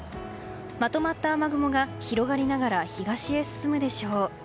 まとまった雨雲が広がりながら東へ進むでしょう。